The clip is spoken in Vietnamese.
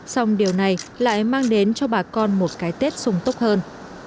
xong điều này lại mang đến cho bà con một cái tết sùng tốt hơn